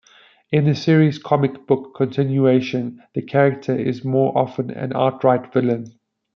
In the series' comic book continuation, the character is more of an outright villain.